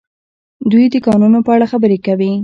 دوی د کانونو په اړه خبرې کوي.